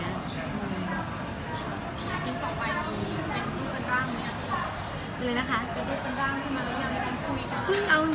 ใครอยากเป็นด้านบ้างปึ่งปลิดซีรีส์อยู่